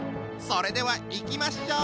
それではいきましょう！